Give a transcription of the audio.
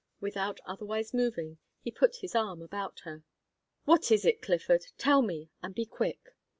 Without otherwise moving, he put his arm about her. "What is it, Clifford? Tell me, and be quick."